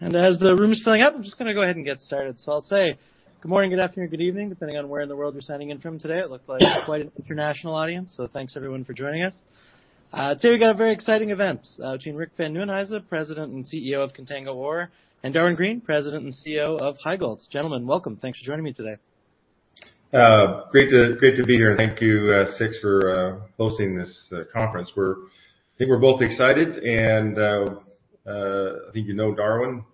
And as the room is filling up, I'm just gonna go ahead and get started. So I'll say good morning, good afternoon, good evening, depending on where in the world you're signing in from today. It looks like quite an international audience, so thanks everyone for joining us. Today, we've got a very exciting event between Rick Van Nieuwenhuyse, President and CEO of Contango ORE, and Darwin Green, President and CEO of HighGold. Gentlemen, welcome. Thanks for joining me today. Great to be here, and thank you, 6ix, for hosting this conference. We're, I think we're both excited and, I think you know Darwin.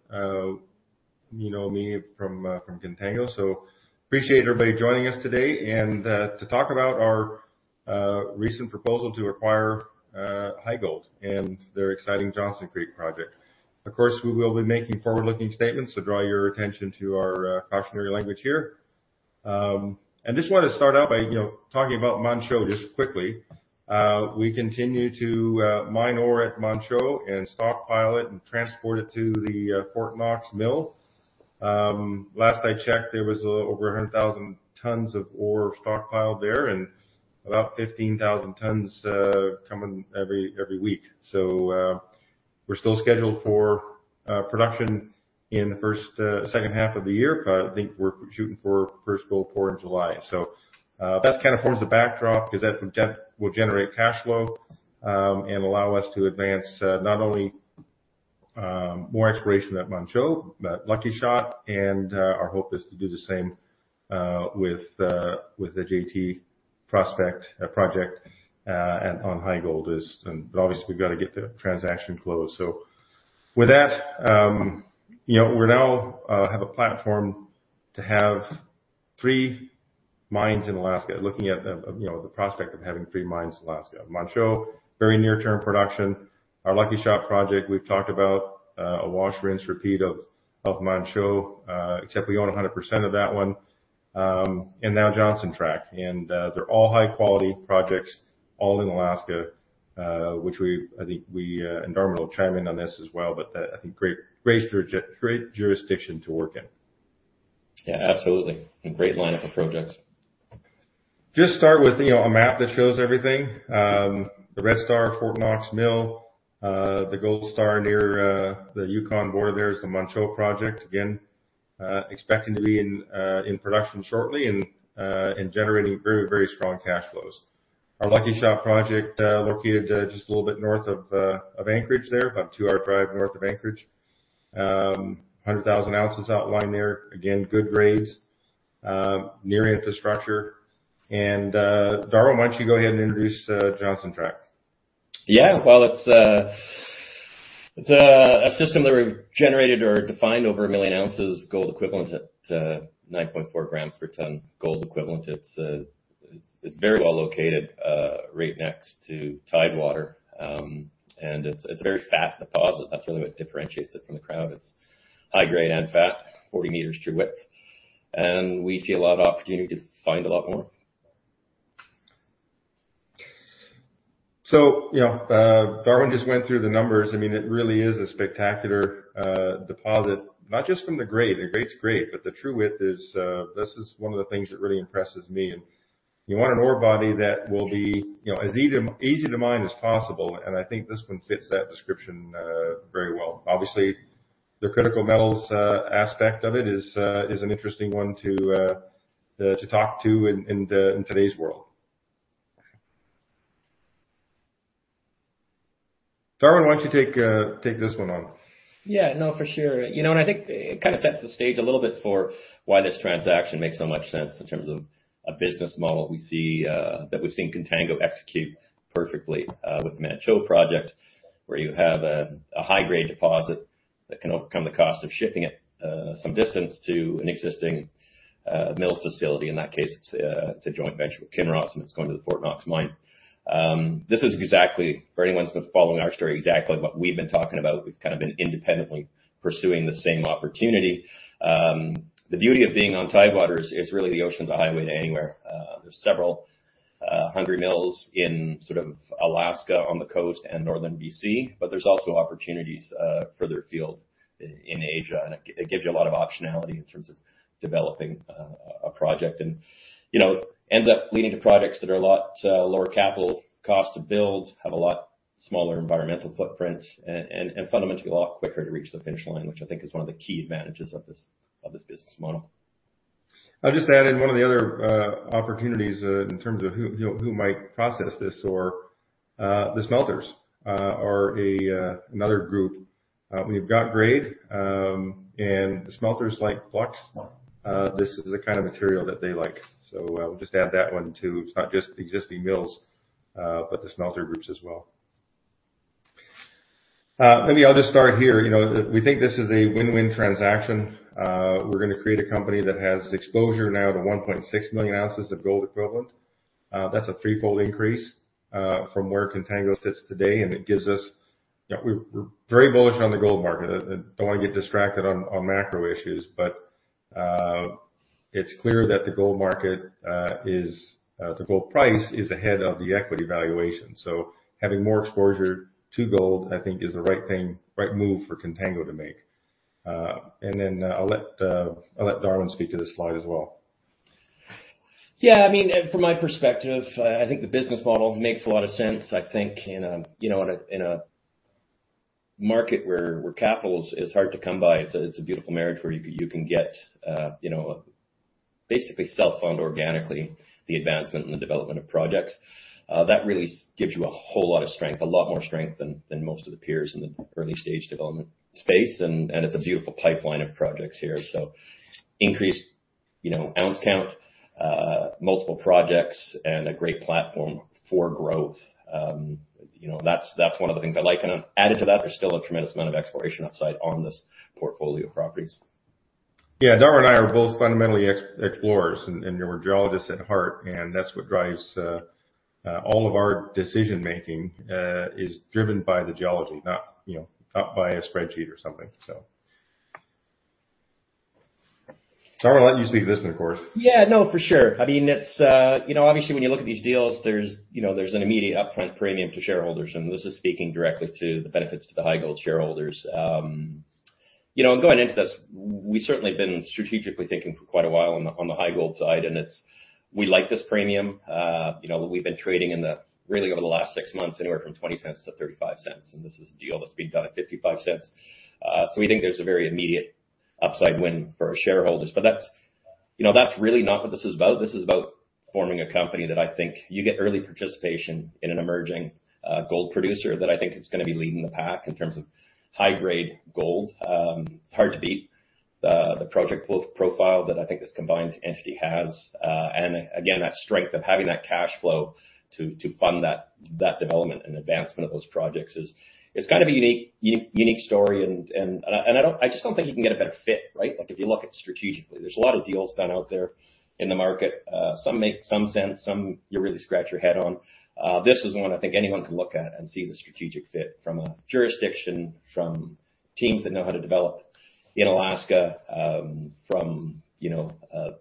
You know me from Contango, so appreciate everybody joining us today, and to talk about our recent proposal to acquire HighGold and their exciting Johnson Tract project. Of course, we will be making forward-looking statements, so draw your attention to our cautionary language here. And just want to start out by, you know, talking about Manh Choh just quickly. We continue to mine ore at Manh Choh and stockpile it and transport it to the Fort Knox mill. Last I checked, there was over 100,000 tons of ore stockpiled there and about 15,000 tons coming every week. So, we're still scheduled for production in the first second half of the year, but I think we're shooting for first gold pour in July. So, that's kind of forms the backdrop, because that will generate cash flow and allow us to advance not only more exploration at Manh Choh, but Lucky Shot, and our hope is to do the same with the JT prospect project and on HighGold as well. But obviously, we've got to get the transaction closed. So with that, you know, we now have a platform to have three mines in Alaska, looking at the, you know, the prospect of having three mines in Alaska. Manh Choh, very near-term production. Our Lucky Shot project, we've talked about, a wash, rinse, repeat of Manh Choh, except we own 100% of that one. And now Johnson Tract, and, they're all high-quality projects, all in Alaska, which we, I think we, and Darwin will chime in on this as well, but, I think great, great juris- great jurisdiction to work in. Yeah, absolutely. A great lineup of projects. Just start with, you know, a map that shows everything. The red star, Fort Knox Mill, the gold star near the Yukon border there is the Manh Choh project. Again, expecting to be in, in production shortly and, and generating very, very strong cash flows. Our Lucky Shot project, located just a little bit north of, of Anchorage there, about two-hour drive north of Anchorage. 100,000 ounces outlined there. Again, good grades, near infrastructure. And, Darwin, why don't you go ahead and introduce Johnson Tract? Yeah, well, it's a system that we've generated or defined over 1 million ounces gold equivalent at 9.4 grams per ton gold equivalent. It's very well located right next to tidewater. And it's a very fat deposit. That's really what differentiates it from the crowd. It's high grade and fat, 40 meters true width, and we see a lot of opportunity to find a lot more. So, you know, Darwin just went through the numbers. I mean, it really is a spectacular deposit, not just from the grade. The grade's great, but the true width is, this is one of the things that really impresses me. And you want an ore body that will be, you know, as easy, easy to mine as possible, and I think this one fits that description, very well. Obviously, the critical metals aspect of it is, is an interesting one to to talk to in, in the, in today's world. Darwin, why don't you take this one on? Yeah, no, for sure. You know what? I think it kinda sets the stage a little bit for why this transaction makes so much sense in terms of a business model we see that we've seen Contango execute perfectly with the Manh Choh project, where you have a high-grade deposit that can overcome the cost of shipping it some distance to an existing mill facility. In that case, it's a joint venture with Kinross, and it's going to the Fort Knox mine. This is exactly, for anyone who's been following our story, exactly what we've been talking about. We've kind of been independently pursuing the same opportunity. The beauty of being on tidewater is really the ocean is a highway to anywhere. There's several hungry mills in sort of Alaska, on the coast and northern BC, but there's also opportunities further afield in Asia, and it gives you a lot of optionality in terms of developing a project. And, you know, it ends up leading to projects that are a lot lower capital cost to build, have a lot smaller environmental footprint and fundamentally a lot quicker to reach the finish line, which I think is one of the key advantages of this business model. I'll just add in one of the other opportunities, in terms of who, you know, who might process this or, the smelters are another group. We've got grade, and the smelters like flux. This is the kind of material that they like. So, we'll just add that one, too. It's not just existing mills, but the smelter groups as well. Maybe I'll just start here. You know, we think this is a win-win transaction. We're gonna create a company that has exposure now to 1.6 million ounces of gold equivalent. That's a threefold increase, from where Contango sits today, and it gives us... You know, we're, we're very bullish on the gold market. I don't want to get distracted on macro issues, but it's clear that the gold market is the gold price is ahead of the equity valuation. So having more exposure to gold, I think is the right thing, right move for Contango to make. And then, I'll let Darwin speak to this slide as well.... Yeah, I mean, from my perspective, I think the business model makes a lot of sense. I think in a, you know, in a, in a market where, where capital is, is hard to come by, it's a, it's a beautiful marriage where you can, you can get, you know, basically self-fund organically, the advancement and the development of projects. That really gives you a whole lot of strength, a lot more strength than, than most of the peers in the early stage development space. And, and it's a beautiful pipeline of projects here. So increased, you know, ounce count, multiple projects, and a great platform for growth. You know, that's, that's one of the things I like. And then added to that, there's still a tremendous amount of exploration upside on this portfolio of properties. Yeah, Darwin and I are both fundamentally ex-explorers and we're geologists at heart, and that's what drives all of our decision making is driven by the geology, not, you know, not by a spreadsheet or something, so. Darwin, I'll let you speak to this, of course. Yeah, no, for sure. I mean, it's, you know, obviously, when you look at these deals, there's, you know, there's an immediate upfront premium to shareholders, and this is speaking directly to the benefits to the HighGold shareholders. You know, going into this, we've certainly been strategically thinking for quite a while on the, on the HighGold side, and it's... We like this premium. You know, we've been trading in the, really over the last six months, anywhere from $0.20 to $0.35, and this is a deal that's being done at $0.55. So we think there's a very immediate upside win for our shareholders. But that's, you know, that's really not what this is about. This is about forming a company that I think you get early participation in an emerging gold producer that I think is gonna be leading the pack in terms of high-grade gold. It's hard to beat the project portfolio that I think this combined entity has. And again, that strength of having that cash flow to fund that development and advancement of those projects is kind of a unique story. And I just don't think you can get a better fit, right? Like, if you look at strategically, there's a lot of deals done out there in the market, some make some sense, some you really scratch your head on. This is one I think anyone can look at and see the strategic fit from a jurisdiction, from teams that know how to develop in Alaska, from, you know,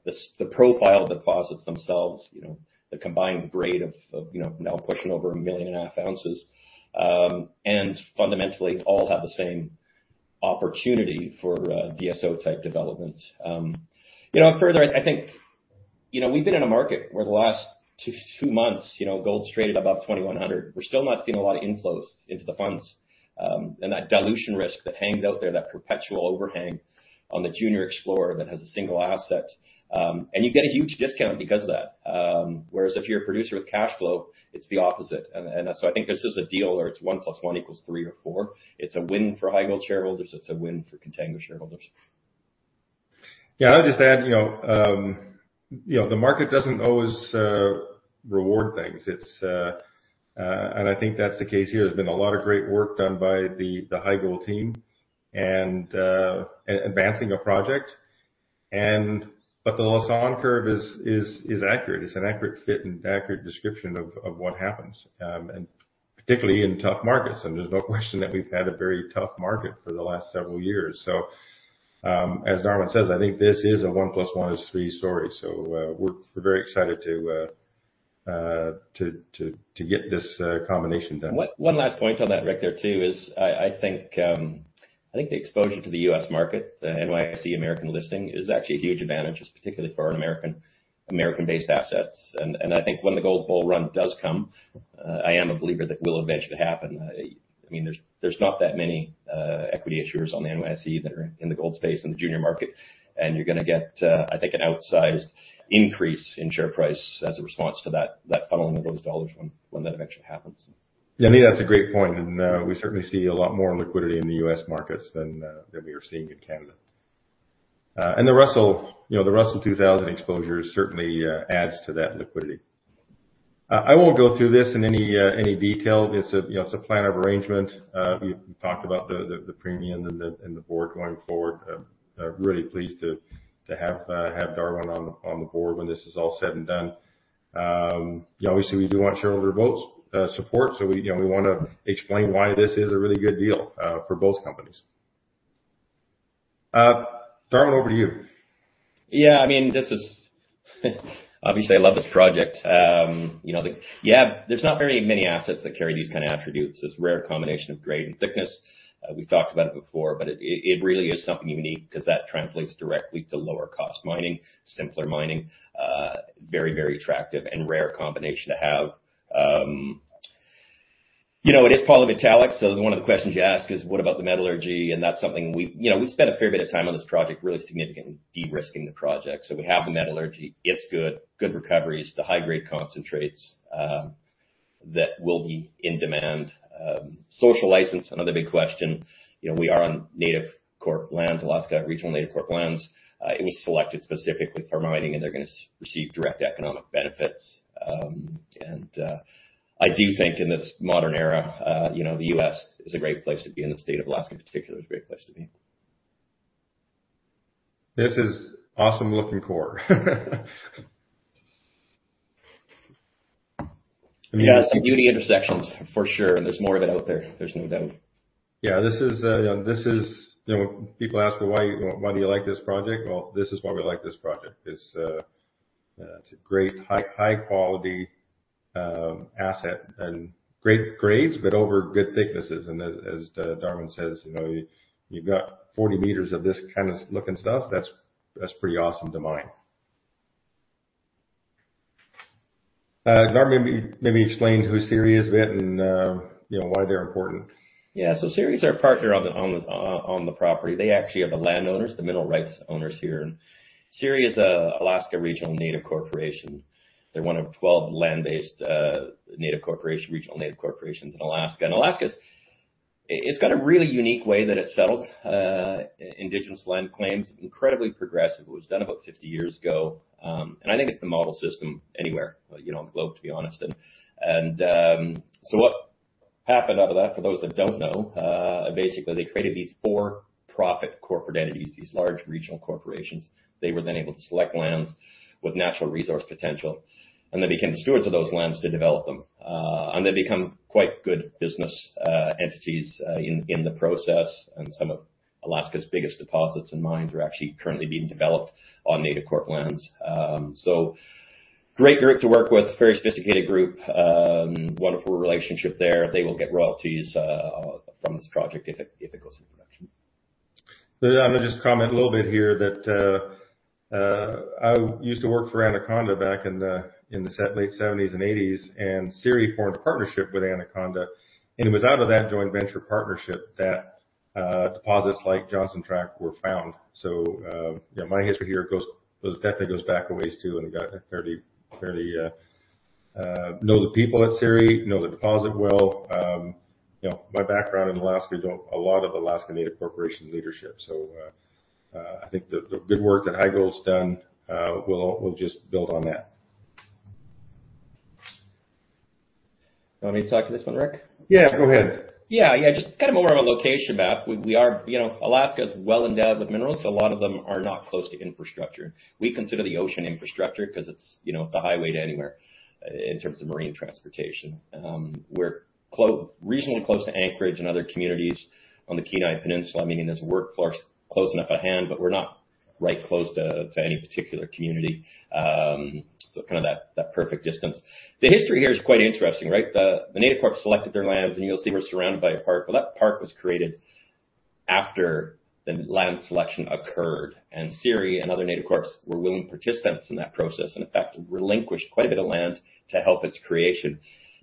the profile of the deposits themselves, you know, the combined grade of, you know, now pushing over 1.5 million ounces. And fundamentally all have the same opportunity for DSO-type development. You know, further, I think, you know, we've been in a market where the last two months, you know, gold's traded above $2,100. We're still not seeing a lot of inflows into the funds. And that dilution risk that hangs out there, that perpetual overhang on the junior explorer that has a single asset, and you get a huge discount because of that. Whereas if you're a producer with cash flow, it's the opposite. So I think this is a deal where it's one plus one equals three or four. It's a win for HighGold shareholders, it's a win for Contango shareholders. Yeah, I'll just add, you know, you know, the market doesn't always... And I think that's the case here. There's been a lot of great work done by the HighGold team and at advancing a project. And, but the Lassonde Curve is accurate. It's an accurate fit and accurate description of what happens, and particularly in tough markets, and there's no question that we've had a very tough market for the last several years. So, as Darwin says, I think this is a one plus one is three story. So, we're very excited to get this combination done. One last point on that, Rick, there too is I think the exposure to the U.S. market, the NYSE American listing, is actually a huge advantage, particularly for our American-based assets. And I think when the gold bull run does come, I am a believer that it will eventually happen. I mean, there's not that many equity issuers on the NYSE that are in the gold space, in the junior market, and you're gonna get, I think, an outsized increase in share price as a response to that funneling of those dollars when that eventually happens. Yeah, I think that's a great point, and we certainly see a lot more liquidity in the U.S. markets than than we are seeing in Canada. And the Russell, you know, the Russell 2000 exposure certainly adds to that liquidity. I won't go through this in any any detail. It's a, you know, it's a plan of arrangement. We've talked about the the the premium and the and the board going forward. I'm really pleased to to have have Darwin on the on the board when this is all said and done. You know, obviously, we do want shareholder votes support, so we, you know, we wanna explain why this is a really good deal for both companies. Darwin, over to you. Yeah, I mean, this is... Obviously, I love this project. Yeah, there's not very many assets that carry these kind of attributes. This rare combination of grade and thickness. We've talked about it before, but it really is something unique because that translates directly to lower cost mining, simpler mining. Very, very attractive and rare combination to have. You know, it is polymetallic, so one of the questions you ask is: What about the metallurgy? And that's something you know, we've spent a fair bit of time on this project, really significantly de-risking the project. So we have the metallurgy. It's good. Good recoveries, the high grade concentrates, that will be in demand. Social license, another big question. You know, we are on Native Corp lands, Alaska Regional Native Corp lands. It was selected specifically for mining, and they're gonna receive direct economic benefits. I do think in this modern era, you know, the U.S. is a great place to be, and the state of Alaska, in particular, is a great place to be. This is awesome-looking core. Yeah, some beauty intersections, for sure, and there's more of it out there. There's no doubt. Yeah, this is, you know, this is... You know, people ask: Well, why, why do you like this project? Well, this is why we like this project. It's a great high-quality asset and great grades, but over good thicknesses. And as Darwin says, you know, you've got 40 meters of this kind of looking stuff, that's pretty awesome to mine. Darwin, maybe explain who CIRI is a bit and, you know, why they're important. Yeah. So CIRI is our partner on the property. They actually are the landowners, the mineral rights owners here. CIRI is an Alaska Regional Native Corporation. They're one of 12 land-based, native corporation, regional native corporations in Alaska. And Alaska's... it's got a really unique way that it settled, indigenous land claims, incredibly progressive. It was done about 50 years ago. And I think it's the model system anywhere, you know, on the globe, to be honest. And, so what happened out of that, for those that don't know, basically, they created these for-profit corporate entities, these large regional corporations. They were then able to select lands with natural resource potential, and they became stewards of those lands to develop them. And they become quite good business entities in the process, and some of Alaska's biggest deposits and mines are actually currently being developed on Native Corp lands. So great group to work with, very sophisticated group, wonderful relationship there. They will get royalties from this project if it goes into production. So I'm gonna just comment a little bit here that I used to work for Anaconda back in the late 1970s and 1980s, and CIRI formed a partnership with Anaconda, and it was out of that joint venture partnership that deposits like Johnson Tract were found. So, you know, my history here goes, definitely goes back a ways, too, and got fairly... know the people at CIRI, know the deposit well. You know, my background in Alaska, know a lot of Alaska Native Corporation leadership, so I think the good work that HighGold's done, we'll just build on that. You want me to talk to this one, Rick? Yeah, go ahead. Yeah, yeah, just kind of more of a location map. We are... You know, Alaska is well endowed with minerals, so a lot of them are not close to infrastructure. We consider the ocean infrastructure because it's, you know, it's a highway to anywhere in terms of marine transportation. We're reasonably close to Anchorage and other communities on the Kenai Peninsula. I mean, there's a workforce close enough at hand, but we're not right close to any particular community. So kind of that perfect distance. The history here is quite interesting, right? The Native Corp selected their lands, and you'll see we're surrounded by a park, but that park was created after the land selection occurred, and CIRI and other Native Corps were willing participants in that process, and in fact, relinquished quite a bit of land to help its creation.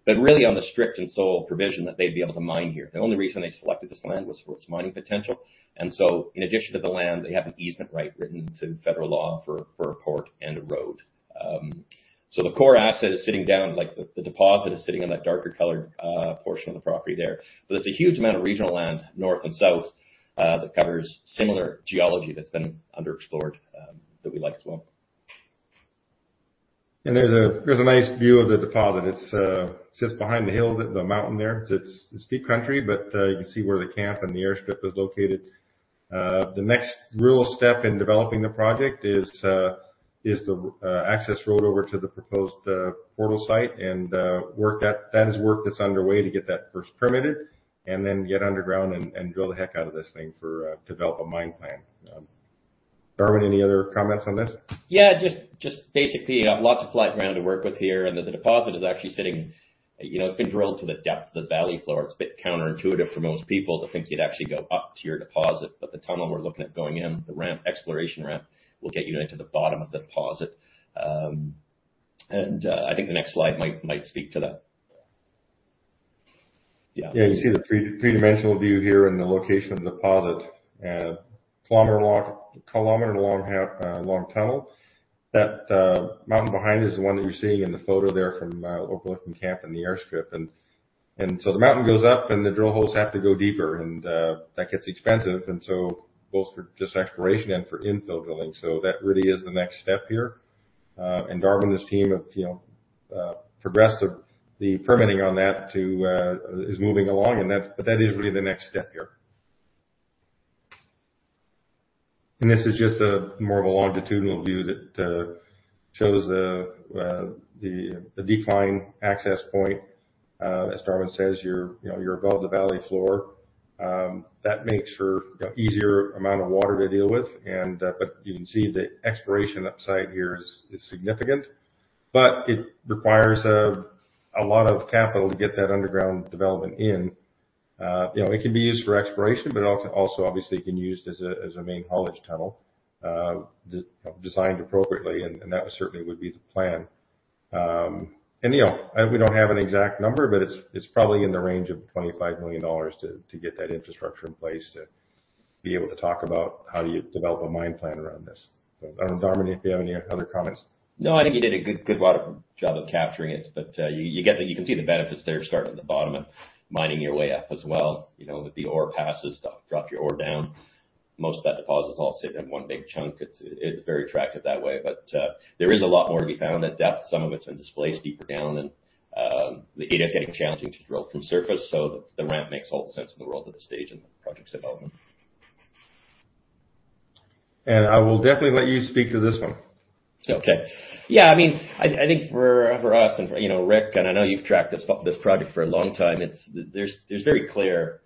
But really on the strict and sole provision that they'd be able to mine here. The only reason they selected this land was for its mining potential, and so in addition to the land, they have an easement right written into federal law for, for a port and a road. So the core asset is sitting down, like, the, the deposit is sitting on that darker colored portion of the property there. But there's a huge amount of regional land, north and south, that covers similar geology that's been underexplored, that we like as well. There's a nice view of the deposit. It sits behind the hill, the mountain there. It's steep country, but you can see where the camp and the airstrip is located. The next real step in developing the project is the access road over to the proposed portal site and work that's underway to get that first permitted and then get underground and drill the heck out of this thing to develop a mine plan. Darwin, any other comments on this? Yeah, just basically, lots of flat ground to work with here, and that the deposit is actually sitting... You know, it's been drilled to the depth of the valley floor. It's a bit counterintuitive for most people to think you'd actually go up to your deposit, but the tunnel we're looking at going in, the ramp, exploration ramp, will get you down to the bottom of the deposit. And, I think the next slide might speak to that. Yeah. Yeah, you see the three, three-dimensional view here and the location of the deposit, kilometer long, kilometer long, long tunnel. That, mountain behind is the one that you're seeing in the photo there from, overlooking camp and the airstrip. And so the mountain goes up, and the drill holes have to go deeper, and that gets expensive, and so both for just exploration and for infill drilling. So that really is the next step here. And Darwin and his team of, you know, progressing the permitting on that too is moving along and that's—but that is really the next step here. And this is just more of a longitudinal view that shows the decline access point. As Darwin says, you're, you know, you're above the valley floor. That makes for, you know, easier amount of water to deal with, and, but you can see the exploration upside here is significant, but it requires a lot of capital to get that underground development in. You know, it can be used for exploration, but also obviously can be used as a main haulage tunnel, designed appropriately, and that certainly would be the plan. And, you know, and we don't have an exact number, but it's probably in the range of $25 million to get that infrastructure in place to be able to talk about how do you develop a mine plan around this. So, Darwin, if you have any other comments? No, I think you did a good job of capturing it, but you can see the benefits there, starting at the bottom and mining your way up as well. You know, the ore passes, drop your ore down. Most of that deposit is all sitting in one big chunk. It's very attractive that way, but there is a lot more to be found at depth. Some of it's been displaced deeper down, and it is getting challenging to drill from surface, so the ramp makes a lot of sense in the world at this stage in the project's development. I will definitely let you speak to this one. Okay. Yeah, I mean, I think for us and for you know Rick, and I know you've tracked this project for a long time, it's. There's very clear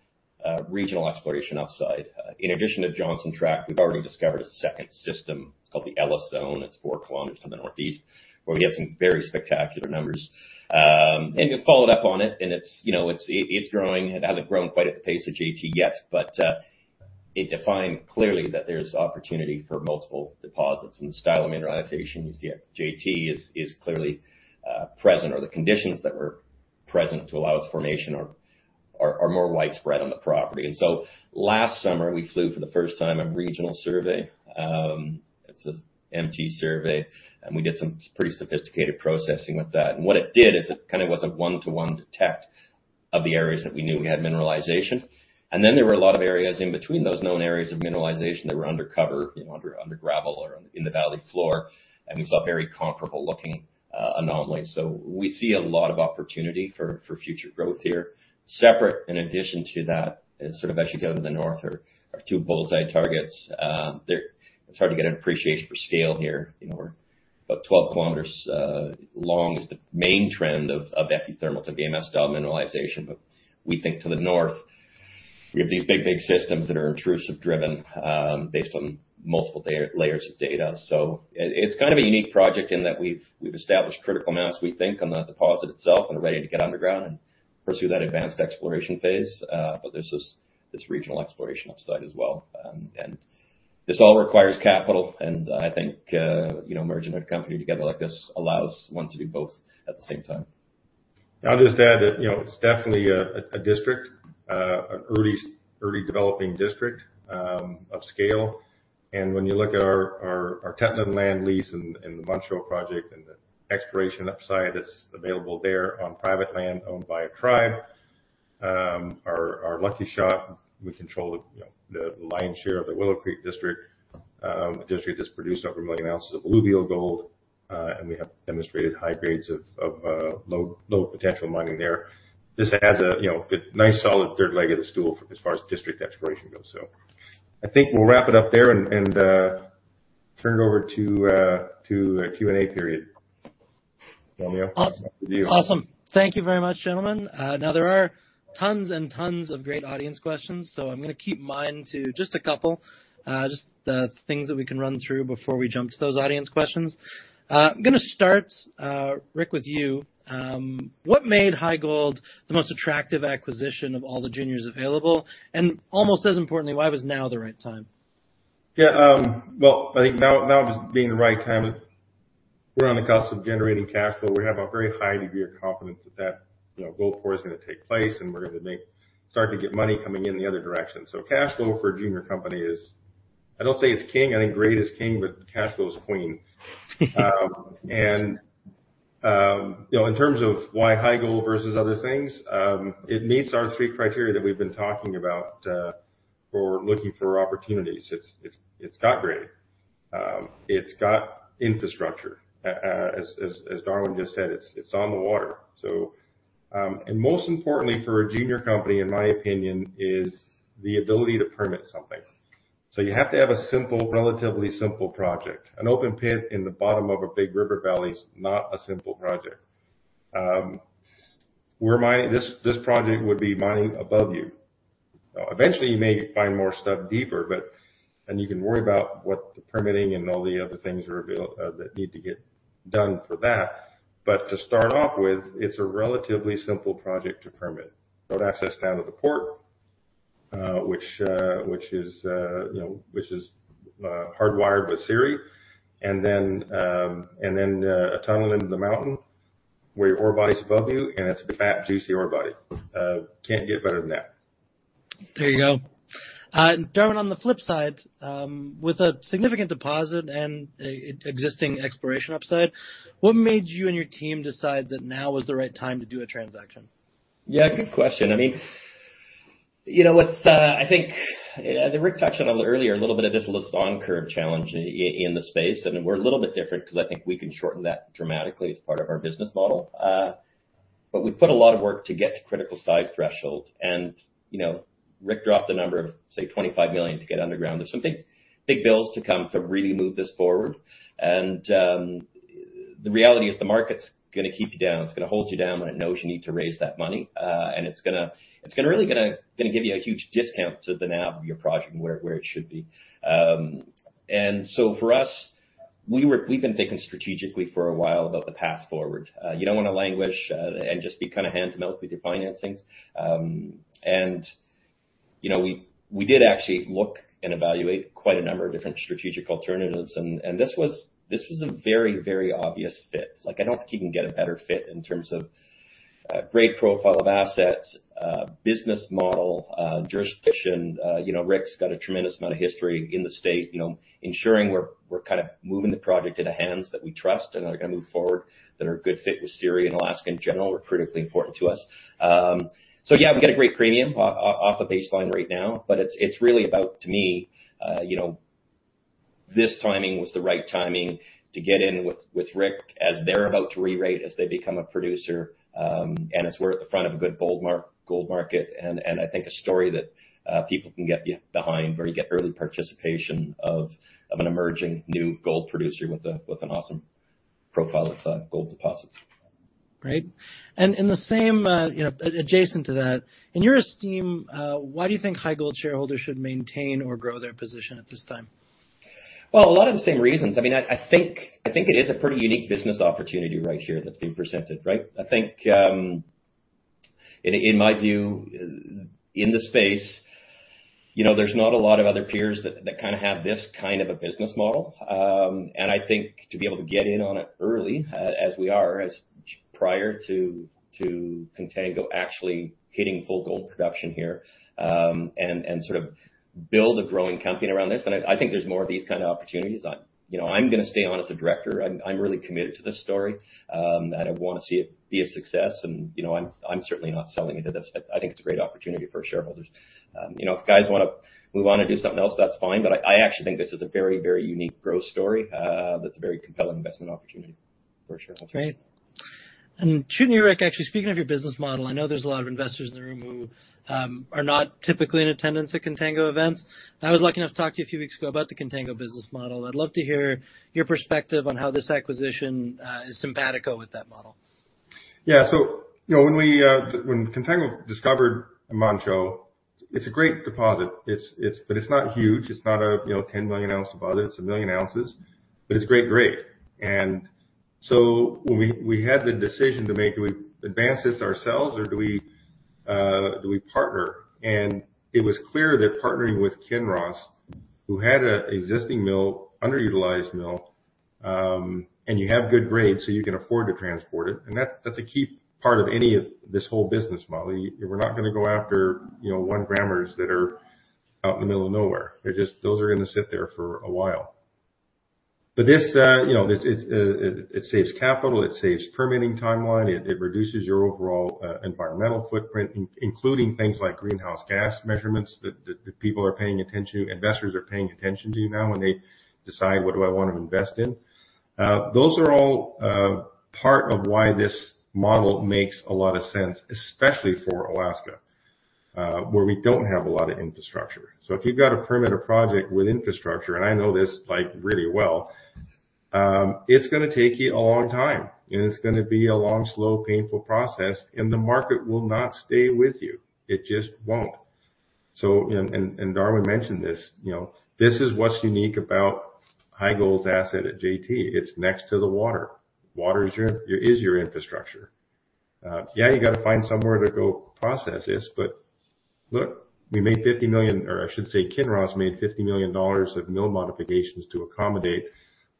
regional exploration upside. In addition to Johnson Tract, we've already discovered a second system. It's called the Ella Zone. It's 4 kilometers to the northeast, where we have some very spectacular numbers. And you'll follow up on it, and it's you know it's growing. It hasn't grown quite at the pace of JT yet, but it defined clearly that there's opportunity for multiple deposits. And the style of mineralization you see at JT is clearly present, or the conditions that were present to allow its formation are more widespread on the property. And so last summer, we flew for the first time a regional survey. It's a MT survey, and we did some pretty sophisticated processing with that. And what it did is it kind of was a one-to-one detect of the areas that we knew we had mineralization. And then there were a lot of areas in between those known areas of mineralization that were undercover, you know, under gravel or in the valley floor, and we saw very comparable looking anomalies. So we see a lot of opportunity for future growth here. Separate, in addition to that, and sort of as you go to the north, are two bullseye targets. They're... It's hard to get an appreciation for scale here. You know, we're about 12 kilometers long, is the main trend of epithermal to VMS style mineralization. But we think to the north, we have these big, big systems that are intrusive driven, based on multiple layer, layers of data. So it, it's kind of a unique project in that we've, we've established critical mass, we think, on the deposit itself and are ready to get underground and pursue that advanced exploration phase. But there's this, this regional exploration upside as well. And this all requires capital, and I think, you know, merging a company together like this allows one to do both at the same time. I'll just add that, you know, it's definitely a district, an early developing district, of scale. And when you look at our Tetlin land lease and the Manh Choh project and the exploration upside that's available there on private land owned by a tribe, our Lucky Shot, we control the, you know, the lion's share of the Willow Creek District. A district that's produced over 1 million ounces of alluvial gold, and we have demonstrated high grades of low potential mining there. This adds, you know, a nice, solid third leg of the stool as far as district exploration goes. So I think we'll wrap it up there and turn it over to a Q&A period. Daniel, over to you. Awesome. Thank you very much, gentlemen. Now, there are tons and tons of great audience questions, so I'm gonna keep mine to just a couple, just the things that we can run through before we jump to those audience questions. I'm gonna start, Rick, with you. What made HighGold the most attractive acquisition of all the juniors available? And almost as importantly, why was now the right time? Yeah, well, I think now is being the right time, we're on the cusp of generating cash flow. We have a very high degree of confidence that, you know, gold pour is gonna take place, and we're gonna start to get money coming in the other direction. So cash flow for a junior company is, I don't say it's king, I think grade is king, but cash flow is queen. And, you know, in terms of why High Gold versus other things, it meets our three criteria that we've been talking about for looking for opportunities. It's got grade. It's got infrastructure. As Darwin just said, it's on the water. So, and most importantly, for a junior company, in my opinion, is the ability to permit something. So you have to have a simple, relatively simple project. An open pit in the bottom of a big river valley is not a simple project. We're mining... This project would be mining above you. Now, eventually, you may find more stuff deeper, but... And you can worry about what the permitting and all the other things are available that need to get done for that. But to start off with, it's a relatively simple project to permit. Road access down to the port, which, which is, you know, which is, hardwired with CIRI, and then, and then, a tunnel into the mountain where your ore body is above you, and it's a fat, juicy ore body. Can't get better than that. There you go. Darwin, on the flip side, with a significant deposit and existing exploration upside, what made you and your team decide that now was the right time to do a transaction? Yeah, good question. I mean, you know, with... I think, as Rick touched on a little earlier, a little bit of this Lassonde Curve challenge in the space, and we're a little bit different because I think we can shorten that dramatically as part of our business model. But we put a lot of work to get to critical size threshold. And, you know, Rick dropped the number of, say, $25 million to get underground. There's some big, big bills to come to really move this forward. And, the reality is the market's gonna keep you down. It's gonna hold you down when it knows you need to raise that money. And it's gonna really give you a huge discount to the NAV of your project and where it should be. And so for us, we've been thinking strategically for a while about the path forward. You don't want to languish and just be kind of hand to mouth with your financings. And, you know, we did actually look and evaluate quite a number of different strategic alternatives, and this was a very, very obvious fit. Like, I don't think you can get a better fit in terms of grade profile of assets, business model, jurisdiction. You know, Rick's got a tremendous amount of history in the state, you know, ensuring we're kind of moving the project into hands that we trust and are gonna move forward, that are a good fit with CIRI and Alaska, in general, were critically important to us. So yeah, we've got a great premium off a baseline right now, but it's, it's really about, to me, you know, this timing was the right timing to get in with, with Rick as they're about to rerate, as they become a producer, and as we're at the front of a good gold market, and, and I think a story that, people can get behind, where you get early participation of, of an emerging new gold producer with a, with an awesome profile of, gold deposits.... right? And in the same, you know, adjacent to that, in your esteem, why do you think High Gold shareholders should maintain or grow their position at this time? Well, a lot of the same reasons. I mean, I think it is a pretty unique business opportunity right here that's being presented, right? I think, in my view, in the space, you know, there's not a lot of other peers that kinda have this kind of a business model. And I think to be able to get in on it early, as we are, as prior to Contango actually hitting full gold production here, and sort of build a growing company around this, and I think there's more of these kind of opportunities. You know, I'm gonna stay on as a director. I'm really committed to this story, and I wanna see it be a success, and, you know, I'm certainly not selling into this. I think it's a great opportunity for shareholders. You know, if guys wanna move on to do something else, that's fine, but I actually think this is a very, very unique growth story, that's a very compelling investment opportunity for shareholders. Great. And shouldn't you, Rick, actually, speaking of your business model, I know there's a lot of investors in the room who are not typically in attendance at Contango events. I was lucky enough to talk to you a few weeks ago about the Contango business model. I'd love to hear your perspective on how this acquisition is simpatico with that model. Yeah, so, you know, when we, when Contango discovered Manh Choh, it's a great deposit. It's, it's... But it's not huge. It's not a, you know, 10 million ounce deposit. It's 1 million ounces, but it's great grade. And so when we, we had the decision to make, do we advance this ourselves, or do we, do we partner? And it was clear that partnering with Kinross, who had an existing mill, underutilized mill, and you have good grades, so you can afford to transport it, and that's, that's a key part of any of this whole business model. We're not gonna go after, you know, 1-grammers that are out in the middle of nowhere. They're just, those are gonna sit there for a while. But this, you know, this, it saves capital, it saves permitting timeline, it reduces your overall environmental footprint, including things like greenhouse gas measurements that people are paying attention to, investors are paying attention to now when they decide, "What do I want to invest in?" Those are all part of why this model makes a lot of sense, especially for Alaska, where we don't have a lot of infrastructure. So if you've got to permit a project with infrastructure, and I know this, like, really well, it's gonna take you a long time, and it's gonna be a long, slow, painful process, and the market will not stay with you. It just won't. So, you know, and Darwin mentioned this, you know, this is what's unique about HighGold's asset at JT. It's next to the water. Water is your, is your infrastructure. Yeah, you gotta find somewhere to go process this, but look, we made $50 million, or I should say Kinross made $50 million of mill modifications to accommodate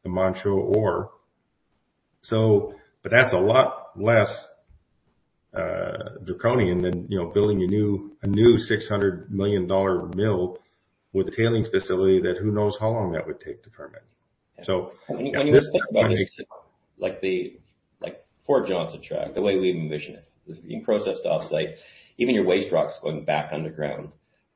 the Manh Choh ore. So, but that's a lot less draconian than, you know, building a new, a new $600 million mill with a tailings facility that who knows how long that would take to permit. So- When you think about it, like for Johnson Tract, the way we envision it, is being processed offsite, even your waste rocks going back underground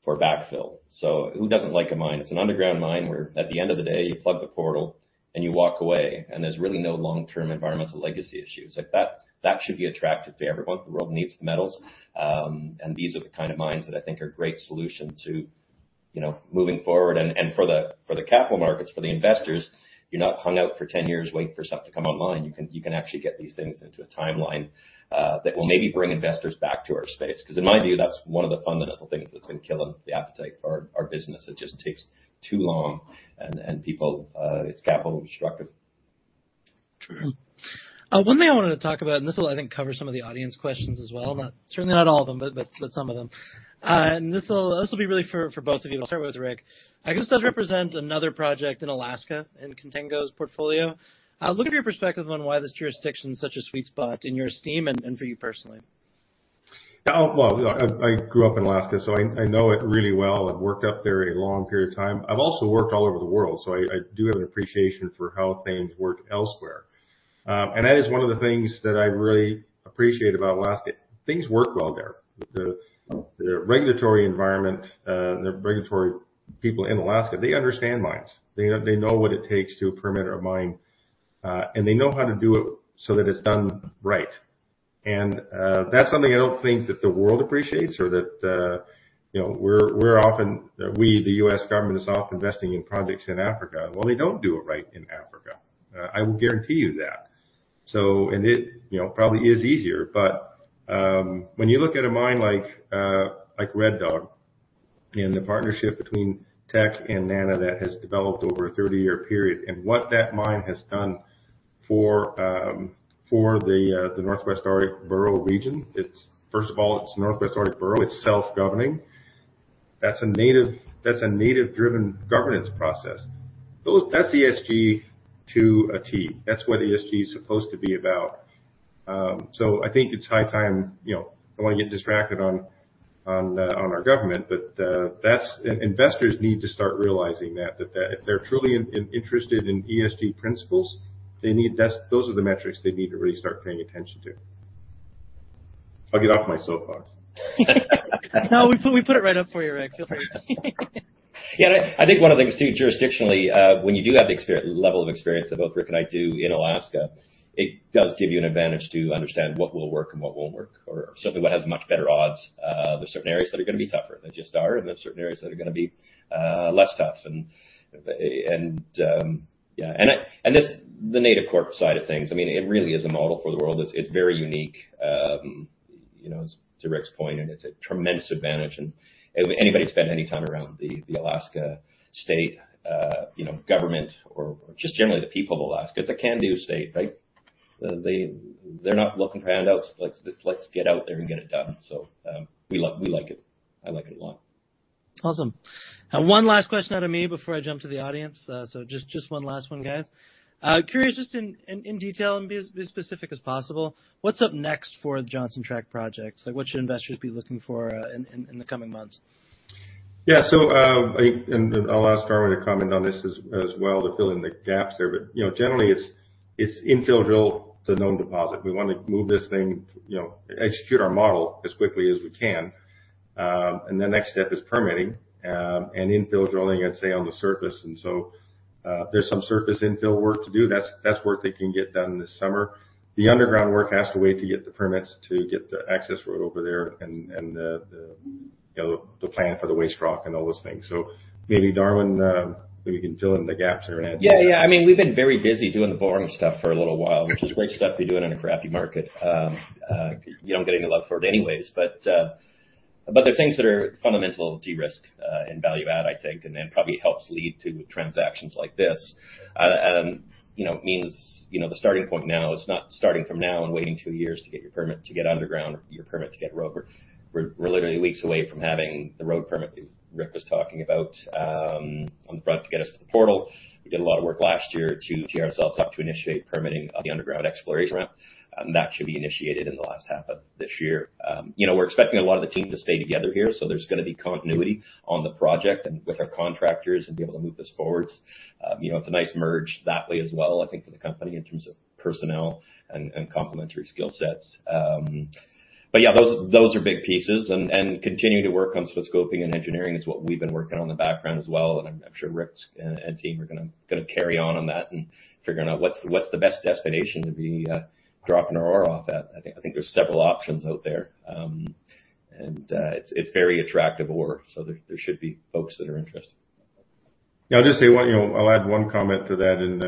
for backfill. So who doesn't like a mine? It's an underground mine, where at the end of the day, you plug the portal and you walk away, and there's really no long-term environmental legacy issues. Like, that should be attractive to everyone. The world needs the metals, and these are the kind of mines that I think are great solution to, you know, moving forward. And for the capital markets, for the investors, you're not hung out for 10 years waiting for something to come online. You can actually get these things into a timeline that will maybe bring investors back to our space. Because in my view, that's one of the fundamental things that's been killing the appetite for our business. It just takes too long, and people, it's capital destructive. True. One thing I wanted to talk about, and this will, I think, cover some of the audience questions as well, not, certainly not all of them, but some of them. And this will be really for both of you. I'll start with Rick. I guess, does represent another project in Alaska, in Contango's portfolio. Look at your perspective on why this jurisdiction is such a sweet spot in your esteem and for you personally. Well, I grew up in Alaska, so I know it really well. I've worked up there a long period of time. I've also worked all over the world, so I do have an appreciation for how things work elsewhere. And that is one of the things that I really appreciate about Alaska. Things work well there. The regulatory environment, the regulatory people in Alaska, they understand mines. They know what it takes to permit a mine, and they know how to do it so that it's done right. And that's something I don't think that the world appreciates or that, you know... We're often, we, the U.S. government, is off investing in projects in Africa. Well, they don't do it right in Africa. I will guarantee you that. You know, it probably is easier, but when you look at a mine like Red Dog, and the partnership between Teck and NANA that has developed over a 30-year period, and what that mine has done for the Northwest Arctic Borough region, it's first of all, it's Northwest Arctic Borough, it's self-governing. That's a native-driven governance process. That's ESG to a T. That's what ESG is supposed to be about. So I think it's high time, you know, I don't want to get distracted on our government, but that's... Investors need to start realizing that if they're truly interested in ESG principles, they need... Those are the metrics they need to really start paying attention to. I'll get off my soapbox. No, we put it right up for you, Rick. Feel free. Yeah, I think one of the things, too, jurisdictionally, when you do have the expert level of experience that both Rick and I do in Alaska, it does give you an advantage to understand what will work and what won't work, or certainly what has much better odds. There are certain areas that are gonna be tougher, they just are, and there are certain areas that are gonna be less tough. And this, the Native Corp side of things, I mean, it really is a model for the world. It's very unique, you know, to Rick's point, and it's a tremendous advantage, and if anybody spent any time around the Alaska state government or just generally the people of Alaska, it's a can-do state, right? They're not looking for handouts, like, let's get out there and get it done. So, we love, we like it. I like it a lot. Awesome. One last question out of me before I jump to the audience. So just one last one, guys. Curious, just in detail, and be as specific as possible, what's up next for the Johnson Tract projects? Like, what should investors be looking for in the coming months? Yeah. So, and I'll ask Darwin to comment on this as well, to fill in the gaps there. But, you know, generally, it's infill drill to known deposit. We want to move this thing, you know, execute our model as quickly as we can. And the next step is permitting, and infill drilling, I'd say, on the surface. And so, there's some surface infill work to do. That's work that can get done this summer. The underground work has to wait to get the permits to get the access road over there and, you know, the plan for the waste rock and all those things. So maybe Darwin, maybe you can fill in the gaps there and add- Yeah, yeah. I mean, we've been very busy doing the boring stuff for a little while, which is great stuff to be doing in a crappy market. You don't get any love for it anyways, but, but they're things that are fundamental de-risk, and value add, I think, and then probably helps lead to transactions like this. You know, means, you know, the starting point now is not starting from now and waiting two years to get your permit to get underground or your permit to get roadwork. We're, we're literally weeks away from having the road permit that Rick was talking about, on the front to get us to the portal. We did a lot of work last year to tee ourselves up to initiate permitting of the underground exploration ramp, and that should be initiated in the last half of this year. You know, we're expecting a lot of the team to stay together here, so there's gonna be continuity on the project and with our contractors and be able to move this forward. You know, it's a nice merge that way as well, I think, for the company in terms of personnel and complementary skill sets. But yeah, those, those are big pieces. And continuing to work on scoping and engineering is what we've been working on in the background as well, and I'm sure Rick's and team are gonna carry on on that and figuring out what's the best destination to be dropping our ore off at. I think there's several options out there. It's very attractive ore, so there should be folks that are interested. Yeah, I'll just say one, you know, I'll add one comment to that, and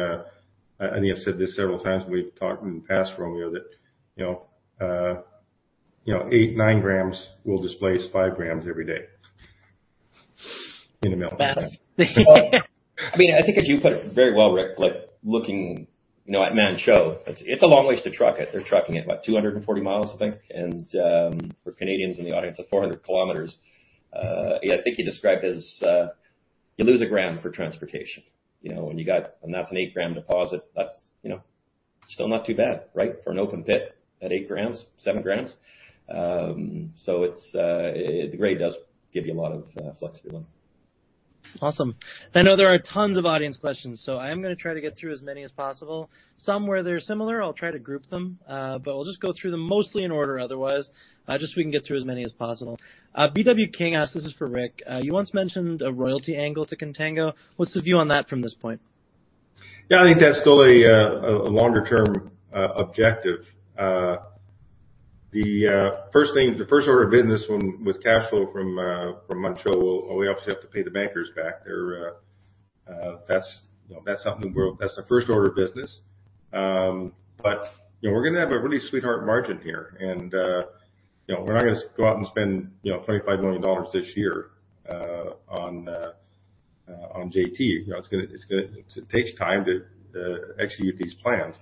I think I've said this several times when we've talked in the past, Romeo, that, you know, 8-9 grams will displace 5 grams every day in a mountain. Fast. I mean, I think, as you put it very well, Rick, like, looking, you know, at Manh Choh, it's, it's a long ways to truck it. They're trucking it about 240 miles, I think, and, for Canadians in the audience, or 400 kilometers. Yeah, I think you described it as, you lose a gram for transportation. You know, when you got... And that's an 8-gram deposit, that's, you know, still not too bad, right, for an open pit at 8 grams, 7 grams. So it's, it really does give you a lot of, flexibility. Awesome. I know there are tons of audience questions, so I am gonna try to get through as many as possible. Some, where they're similar, I'll try to group them, but we'll just go through them mostly in order otherwise, just so we can get through as many as possible. BW King asked, this is for Rick: "You once mentioned a royalty angle to Contango. What's the view on that from this point? Yeah, I think that's still a longer-term objective. The first thing, the first order of business when with cash flow from Manh Choh, we obviously have to pay the bankers back. They're, that's, you know, that's something we're- that's the first order of business. But, you know, we're gonna have a really sweetheart margin here, and, you know, we're not gonna go out and spend, you know, $25 million this year, on JT. You know, it's gonna, it's gonna... It takes time to execute these plans.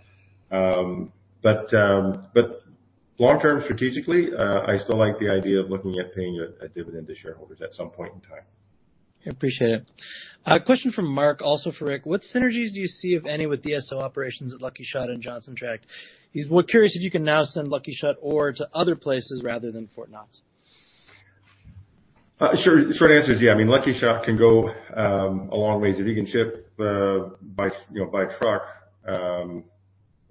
But, long-term, strategically, I still like the idea of looking at paying a dividend to shareholders at some point in time. I appreciate it. Question from Mark, also for Rick: "What synergies do you see, if any, with DSO operations at Lucky Shot and Johnson Tract? He's... We're curious if you can now send Lucky Shot ore to other places rather than Fort Knox. Sure. Short answer is yeah. I mean, Lucky Shot can go a long ways. If you can ship by truck,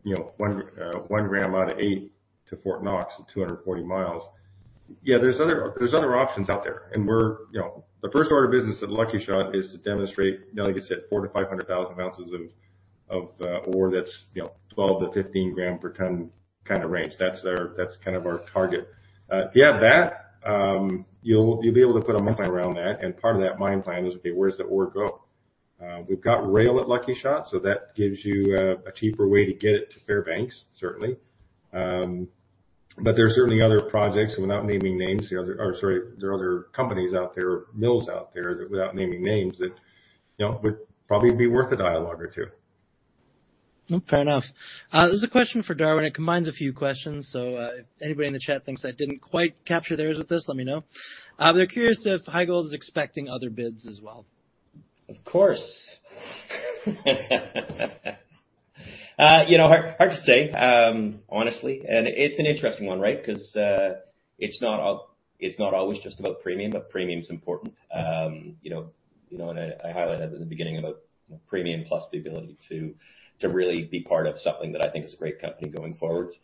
you know, 1 gram out of 8 to Fort Knox, 240 miles. Yeah, there's other options out there, and we're you know, the first order of business at Lucky Shot is to demonstrate, you know, like you said, 400-500 thousand ounces of ore that's 12-15 gram per ton kind of range. That's kind of our target. Yeah, that, you'll be able to put a mine plan around that, and part of that mine plan is, okay, where does the ore go? We've got rail at Lucky Shot, so that gives you a cheaper way to get it to Fairbanks, certainly. But there are certainly other projects, and without naming names, you know, or, sorry, there are other companies out there, mills out there, that without naming names, that, you know, would probably be worth a dialogue or two. Fair enough. This is a question for Darwin. It combines a few questions, so, if anybody in the chat thinks I didn't quite capture theirs with this, let me know. They're curious if HighGold is expecting other bids as well. Of course. You know, hard, hard to say, honestly, and it's an interesting one, right? Because, it's not always just about premium, but premium's important. You know, you know, and I highlighted at the beginning about, you know, premium plus the ability to really be part of something that I think is a great company going forwards.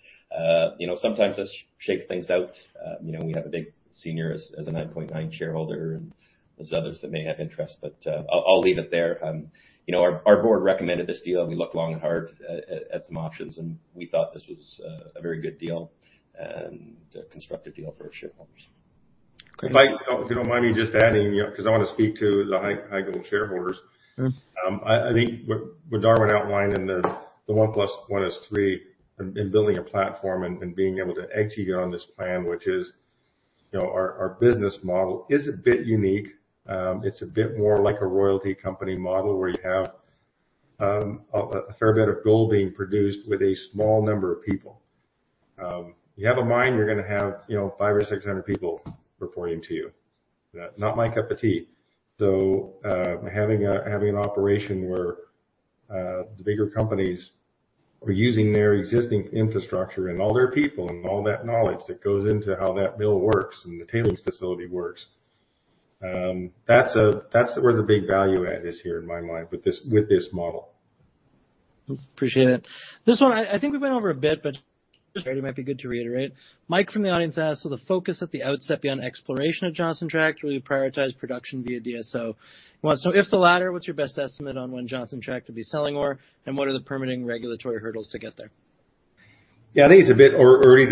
You know, sometimes this shakes things out. You know, we have a big senior as a 9.9 shareholder, and there's others that may have interest, but, I'll leave it there. You know, our board recommended this deal, and we looked long and hard at some options, and we thought this was a very good deal and a constructive deal for our shareholders.... Mike, if you don't mind me just adding, you know, because I want to speak to the HighGold shareholders. I think what Darwin outlined in the one plus one is three in building a platform and being able to execute on this plan, which is, you know, our business model is a bit unique. It's a bit more like a royalty company model, where you have a fair bit of gold being produced with a small number of people. If you have a mine, you're gonna have, you know, 500 or 600 people reporting to you. Not my cup of tea. So, having an operation where the bigger companies are using their existing infrastructure and all their people, and all that knowledge that goes into how that mill works and the tailings facility works, that's where the big value add is here in my mind, with this model. Appreciate it. This one I, I think we've been over a bit, but it might be good to reiterate. Mike from the audience asks: So the focus at the outset be on exploration of Johnson Tract, will you prioritize production via DSO? He wants to know, if the latter, what's your best estimate on when Johnson Tract will be selling ore, and what are the permitting regulatory hurdles to get there? Yeah, I think it's a bit early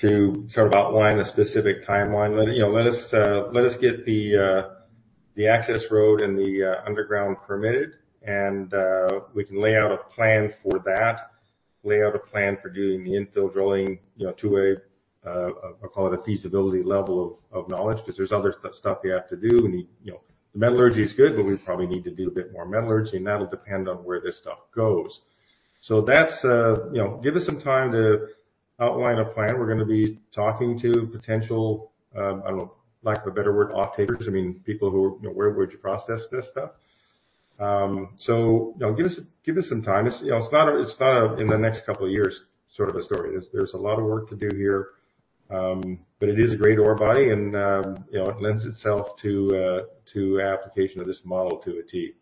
to sort of outline a specific timeline. You know, let us get the access road and the underground permitted, and we can lay out a plan for that. Lay out a plan for doing the infill drilling, you know, to a I'll call it a feasibility level of knowledge, because there's other stuff we have to do. You know, the metallurgy is good, but we probably need to do a bit more metallurgy, and that'll depend on where this stuff goes. So that's you know... Give us some time to outline a plan. We're gonna be talking to potential, I don't know, lack of a better word, off-takers. I mean, people who are, you know, where would you process this stuff? So, you know, give us, give us some time. It's, you know, it's not a, it's not a, in the next couple of years, sort of a story. There's, there's a lot of work to do here. But it is a great ore body and, you know, it lends itself to, to application of this model to a T.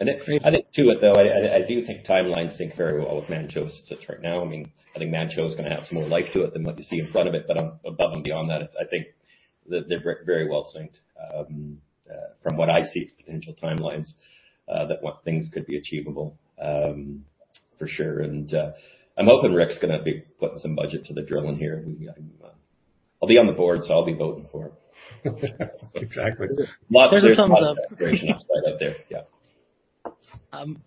Mm-hmm. Adding to it, though, I do think timelines sync very well with Manh Choh as it sits right now. I mean, I think Manh Choh is gonna have some more life to it than what you see in front of it. But above and beyond that, I think that they're very, very well synced. From what I see, its potential timelines that what things could be achievable, for sure. I'm hoping Rick's gonna be putting some budget to the drilling here. I'll be on the board, so I'll be voting for it. Exactly. There's a thumbs up. Up there. Yeah.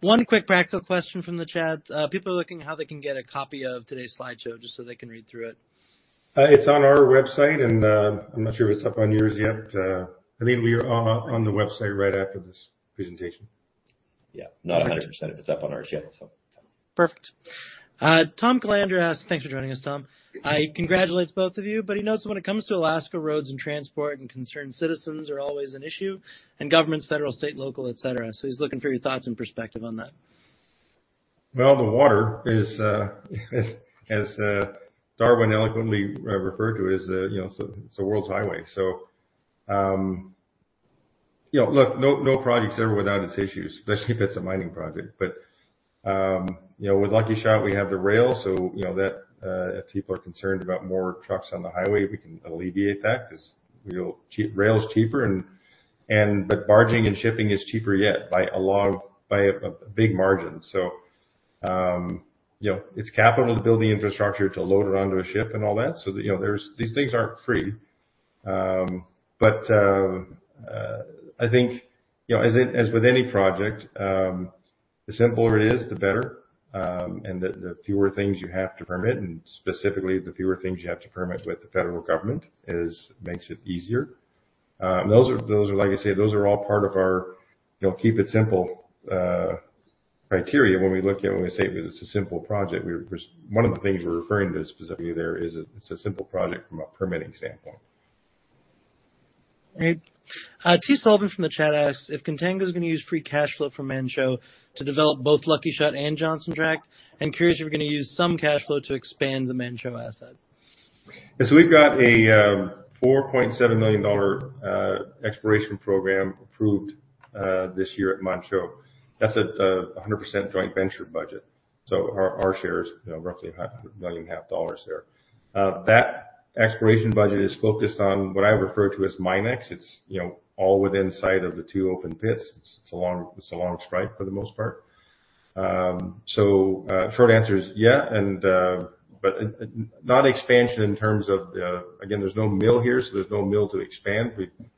One quick practical question from the chat. People are looking how they can get a copy of today's slideshow, just so they can read through it. It's on our website, and I'm not sure if it's up on yours yet. I think we are on the website right after this presentation. Yeah. Not 100% if it's up on ours yet, so. Perfect. Tom Calandra asks... Thanks for joining us, Tom. He congratulates both of you, but he notes when it comes to Alaska roads and transport and concerned citizens are always an issue, and governments, federal, state, local, et cetera. So he's looking for your thoughts and perspective on that. Well, the water is, as Darwin eloquently referred to, you know, it's the world's highway. So, you know, look, no project's ever without its issues, especially if it's a mining project. But, you know, with Lucky Shot, we have the rail, so you know that if people are concerned about more trucks on the highway, we can alleviate that because rail is cheaper and but barging and shipping is cheaper yet by a big margin. So, you know, it's capital to build the infrastructure to load it onto a ship and all that. So, you know, these things aren't free. But, I think, you know, as with any project, the simpler it is, the better. And the fewer things you have to permit, and specifically, the fewer things you have to permit with the federal government, makes it easier. Those are like I said, those are all part of our, you know, keep it simple criteria when we say it's a simple project. One of the things we're referring to specifically there is, it's a simple project from a permitting standpoint. Great. T. Sullivan from the chat asks: If Contango is gonna use free cash flow from Manh Choh to develop both Lucky Shot and Johnson Tract, and curious if you're gonna use some cash flow to expand the Manh Choh asset? And so we've got a $4.7 million exploration program approved this year at Manh Choh. That's a 100% joint venture budget. So our shares, you know, roughly $1.5 million there. That exploration budget is focused on what I refer to as MinEx. It's, you know, all within sight of the two open pits. It's a long strike for the most part. So short answer is yeah, and but not expansion in terms of again, there's no mill here, so there's no mill to expand.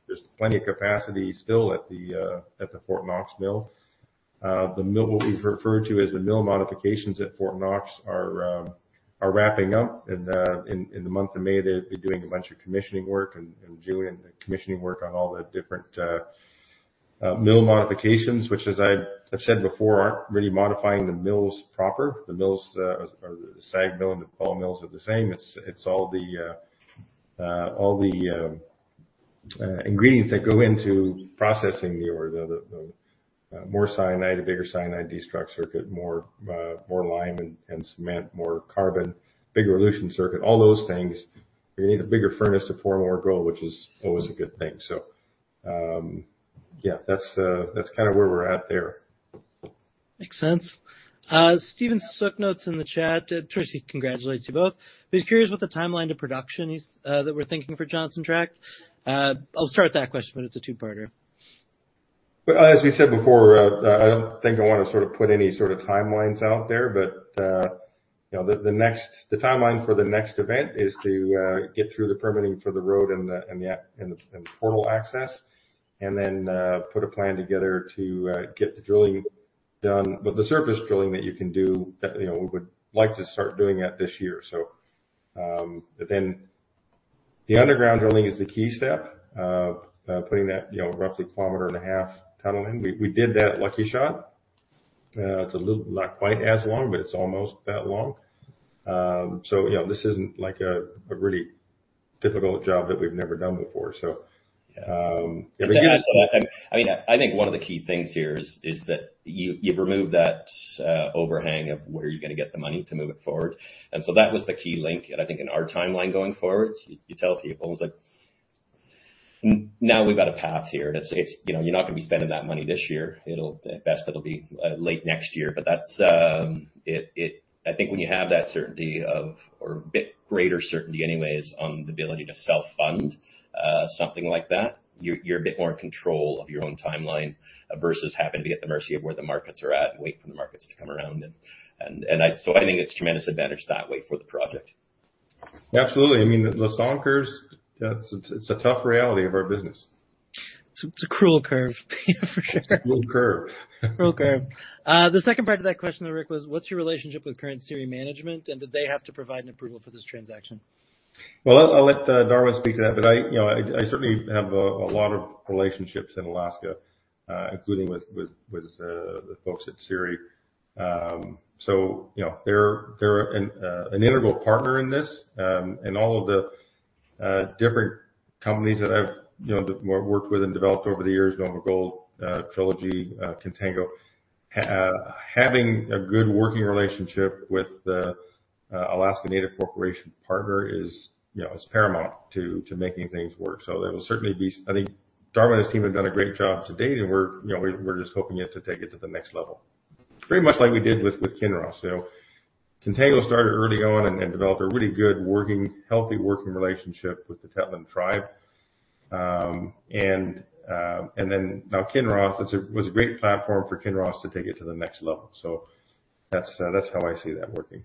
There's plenty of capacity still at the Fort Knox mill. The mill, what we've referred to as the mill modifications at Fort Knox are wrapping up. And, in the month of May, they'll be doing a bunch of commissioning work and doing the commissioning work on all the different mill modifications, which, as I've said before, aren't really modifying the mills proper. The mills, or the SAG mill and the ball mills are the same. It's all the ingredients that go into processing the ore. The more cyanide, a bigger cyanide destruction circuit, more lime and cement, more carbon, bigger elution circuit, all those things. You need a bigger furnace to pour more gold, which is always a good thing. So, yeah, that's kind of where we're at there. Makes sense. Stephen Soock notes in the chat, first, he congratulates you both. He's curious what the timeline to production is, that we're thinking for Johnson Tract. I'll start with that question, but it's a two-parter.... But as we said before, I don't think I wanna sort of put any sort of timelines out there, but, you know, the timeline for the next event is to get through the permitting for the road and the portal access, and then put a plan together to get the drilling done. But the surface drilling that you can do, you know, we would like to start doing that this year. So, but then the underground drilling is the key step of putting that, you know, roughly 1.5 km tunnel in. We did that Lucky Shot. It's a little, not quite as long, but it's almost that long. So, you know, this isn't like a really difficult job that we've never done before, so, if we- And I mean, I think one of the key things here is that you've removed that overhang of where you're gonna get the money to move it forward. And so that was the key link. And I think in our timeline going forward, you tell people, it's like, "Now we've got a path here." That it's, you know, you're not gonna be spending that money this year. It'll... At best, it'll be late next year. But that's it-- I think when you have that certainty of, or a bit greater certainty anyways, on the ability to self-fund something like that, you're a bit more in control of your own timeline versus having to be at the mercy of where the markets are at and wait for the markets to come around. And I... I think it's a tremendous advantage that way for the project. Absolutely. I mean, the Lassonde Curve, it's a tough reality of our business. It's a cruel curve, for sure. It's a cruel curve. Lassonde Curve. The second part of that question, though, Rick, was what's your relationship with current CIRI management, and did they have to provide an approval for this transaction? Well, I'll let Darwin speak to that, but I certainly have a lot of relationships in Alaska, including with the folks at CIRI. So, you know, they're an integral partner in this. And all of the different companies that I've worked with and developed over the years, NovaGold, Trilogy, Contango. Having a good working relationship with the Alaska Native Corporation partner is paramount to making things work. So there will certainly be... I think Darwin and his team have done a great job to date, and we're just hoping to take it to the next level. Pretty much like we did with Kinross. So Contango started early on and developed a really good working, healthy working relationship with the Tetlin Tribe. And then now Kinross was a great platform for Kinross to take it to the next level. So that's how I see that working.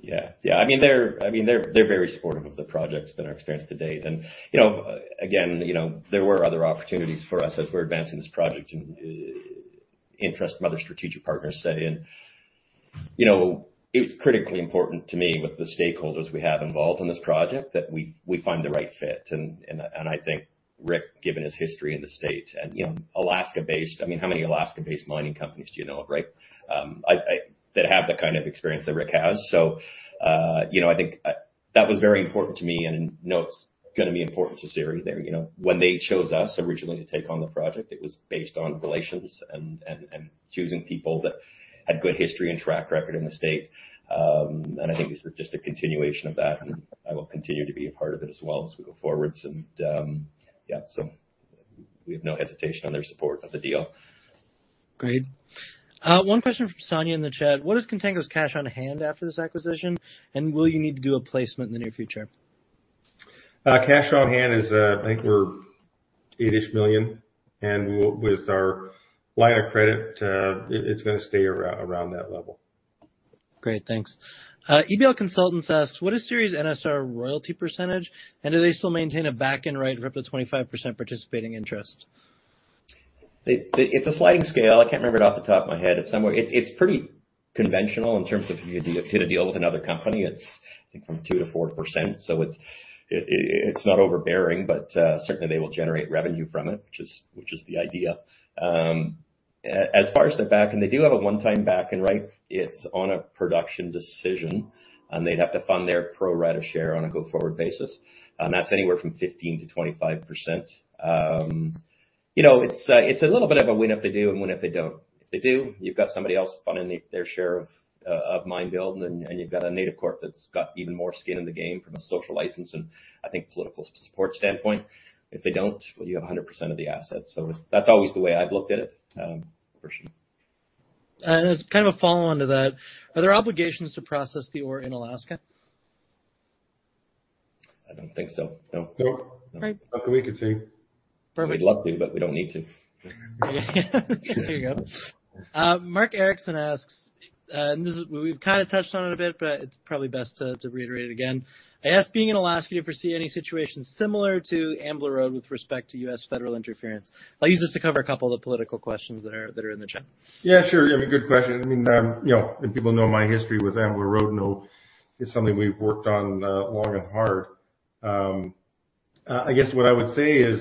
Yeah. Yeah. I mean, they're very supportive of the project, been our experience to date. And, you know, again, you know, there were other opportunities for us as we're advancing this project and, interest from other strategic partners set in. You know, it's critically important to me, with the stakeholders we have involved in this project, that we find the right fit. And I think Rick, given his history in the state, and, you know, Alaska-based, I mean, how many Alaska-based mining companies do you know of, right? That have the kind of experience that Rick has. So, you know, I think that was very important to me, and I know it's gonna be important to CIRI there. You know, when they chose us originally to take on the project, it was based on relations and choosing people that had good history and track record in the state. And I think this is just a continuation of that, and I will continue to be a part of it as well as we go forward. And, yeah, so we have no hesitation on their support of the deal. Great. One question from Sonia in the chat: What is Contango's cash on hand after this acquisition, and will you need to do a placement in the near future? Cash on hand is, I think we're $8-ish million, and with our line of credit, it's gonna stay around that level. Great, thanks. EBL Consultants asked: What is CIRI's NSR royalty percentage, and do they still maintain a back-end right of up to 25% participating interest? It's a sliding scale. I can't remember it off the top of my head. It's somewhere. It's pretty conventional in terms of if you did a deal with another company. It's, I think, from 2%-4%, so it's not overbearing, but certainly they will generate revenue from it, which is the idea. As far as the back, and they do have a one-time back-in right, it's on a production decision, and they'd have to fund their pro rata share on a go-forward basis, and that's anywhere from 15%-25%. You know, it's a little bit of a win if they do and win if they don't. If they do, you've got somebody else funding their share of mine building, and you've got a native corp that's got even more skin in the game from a social license and, I think, political support standpoint. If they don't, well, you have 100% of the assets. So that's always the way I've looked at it, for sure. As kind of a follow-on to that, are there obligations to process the ore in Alaska? I don't think so, no. Nope. Great. Not that we can see. We'd love to, but we don't need to. There you go. Mark Erickson asks, and this is... We've kind of touched on it a bit, but it's probably best to, to reiterate it again: I ask, being in Alaska, do you foresee any situation similar to Ambler Road with respect to U.S. federal interference? I'll use this to cover a couple of the political questions that are, that are in the chat. Yeah, sure. I mean, good question. I mean, you know, and people know my history with Ambler Road, know it's something we've worked on, long and hard. I guess what I would say is,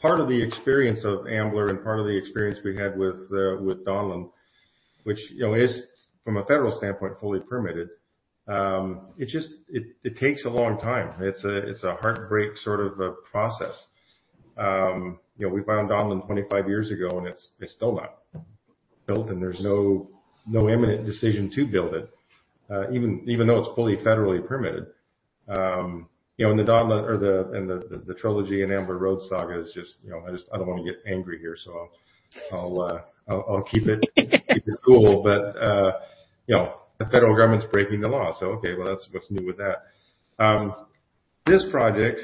part of the experience of Ambler and part of the experience we had with, with Donlin, which, you know, is, from a federal standpoint, fully permitted, it just, it, it takes a long time. It's a, it's a heartbreak sort of a process. You know, we found Donlin 25 years ago, and it's, it's still not built, and there's no, no imminent decision to build it, even, even though it's fully federally permitted. You know, and the Donlin and the Trilogy and Ambler Road saga is just, you know, I just, I don't wanna get angry here, so I'll keep it cool. But, you know, the federal government's breaking the law, so, okay, well, that's what's new with that? This project,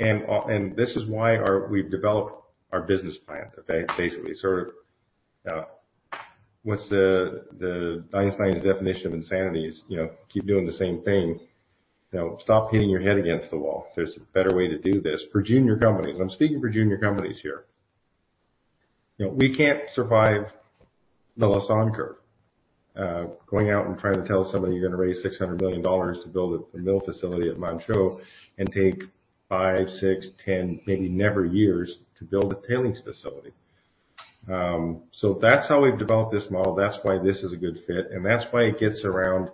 and this is why we've developed our business plan, okay? Basically, sort of, what's the Einstein's definition of insanity is, you know, keep doing the same thing. You know, stop hitting your head against the wall. There's a better way to do this. For junior companies, I'm speaking for junior companies here. You know, we can't survive the Lassonde Curve, going out and trying to tell somebody you're gonna raise $600 million to build a mill facility at Manh Choh, and take 5, 6, 10, maybe never years to build a tailings facility. So that's how we've developed this model. That's why this is a good fit, and that's why it gets around...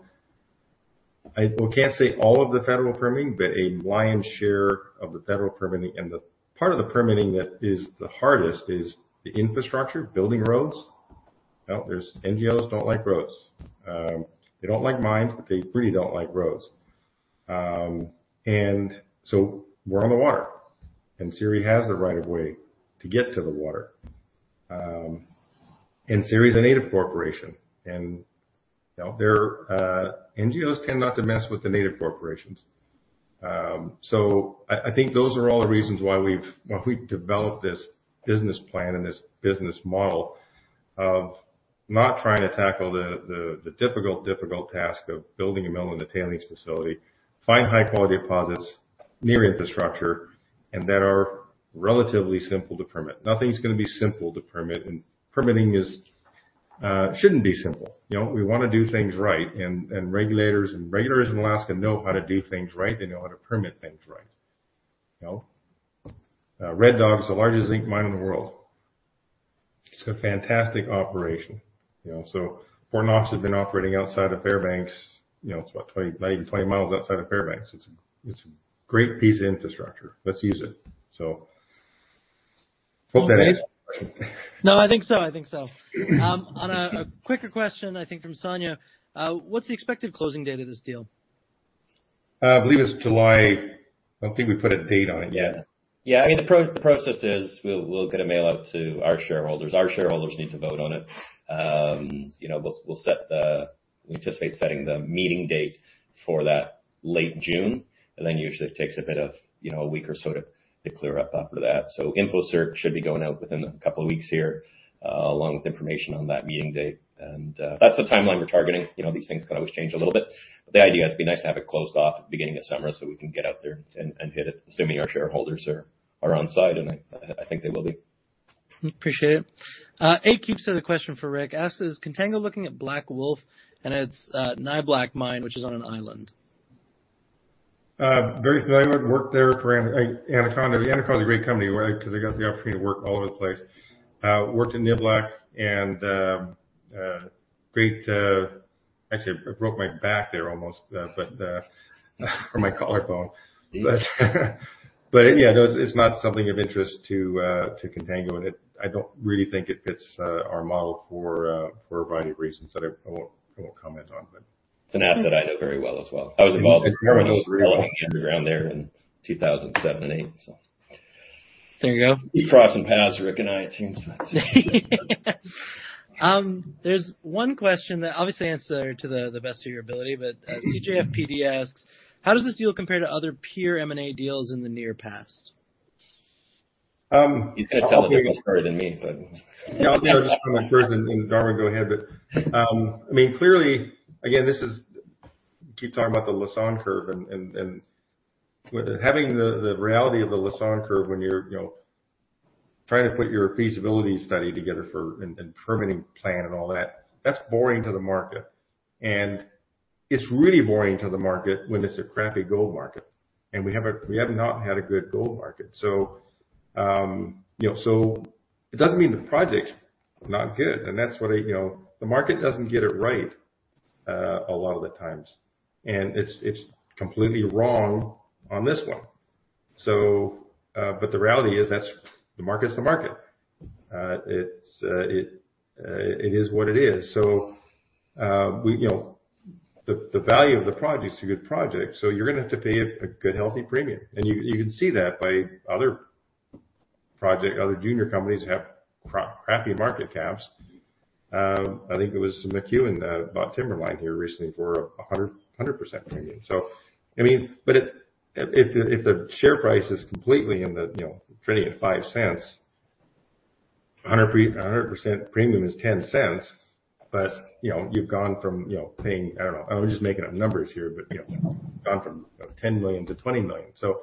I, well, can't say all of the federal permitting, but a lion's share of the federal permitting. And the part of the permitting that is the hardest is the infrastructure, building roads. Well, there are NGOs don't like roads. They don't like mines, but they really don't like roads. And so we're on the water, and CIRI has the right of way to get to the water. CIRI is a Native corporation, and, you know, they're. NGOs tend not to mess with the Native corporations. So I think those are all the reasons why we've developed this business plan and this business model of not trying to tackle the difficult task of building a mill and a tailings facility, find high quality deposits, near infrastructure, and that are relatively simple to permit. Nothing's gonna be simple to permit, and permitting shouldn't be simple. You know, we wanna do things right, and regulators in Alaska know how to do things right. They know how to permit things right, you know? Red Dog is the largest zinc mine in the world. It's a fantastic operation, you know. Fort Knox has been operating outside of Fairbanks, you know, it's about 20, maybe 20 miles outside of Fairbanks. It's a, it's a great piece of infrastructure. Let's use it. Hope that answers the question. No, I think so. I think so. On a quicker question, I think from Sonia. What's the expected closing date of this deal? I believe it's July... I don't think we put a date on it yet. Yeah. Yeah, I mean, the process is, we'll get a mail out to our shareholders. Our shareholders need to vote on it. You know, we'll set the, we anticipate setting the meeting date for that late June, and then usually it takes a bit of, you know, a week or so to clear up after that. So info circ should be going out within a couple of weeks here, along with information on that meeting date. And that's the timeline we're targeting. You know, these things can always change a little bit, but the idea is to be nice to have it closed off at the beginning of summer so we can get out there and hit it, assuming our shareholders are on side, and I think they will be. Appreciate it. for Rick, asks, "Is Contango looking at Blackwolf and its Niblack mine, which is on an island? Very, I worked there for Anaconda. Anaconda is a great company, right, because I got the opportunity to work all over the place. Worked in Niblack and actually, I broke my back there almost, but or my collarbone. But yeah, no, it's not something of interest to to Contango, and I don't really think it fits our model for for a variety of reasons that I won't, I won't comment on, but- It's an asset I know very well as well. I was involved in underground there in 2007, 2008, so... There you go. We've crossed some paths, Rick and I, it seems like. There's one question that obviously answer to the best of your ability, but CJFPD asks: How does this deal compare to other peer M&A deals in the near past? Um- He's gonna tell it quicker than me, but... Yeah, I'll go first, and then, Darwin, go ahead. But, I mean, clearly, again, this is... Keep talking about the Lassonde Curve and having the reality of the Lassonde Curve when you're, you know, trying to put your feasibility study together for, and permitting plan and all that, that's boring to the market. And it's really boring to the market when it's a crappy gold market. And we have not had a good gold market. So, you know, so it doesn't mean the project's not good, and that's what I... You know, the market doesn't get it right a lot of the times, and it's completely wrong on this one. So, but the reality is, that's, the market is the market. It is what it is. So, we, you know, the value of the project is a good project, so you're gonna have to pay a good, healthy premium. And you can see that by other project, other junior companies that have crappy market caps. I think it was McEwen bought Timberline here recently for a 100, 100% premium. So, I mean, but it... If the share price is completely in the, you know, trading at $0.05, a 100 pre- a 100% premium is $0.10, but, you know, you've gone from, you know, paying, I don't know, I'm just making up numbers here, but, you know, gone from $10 million to $20 million. So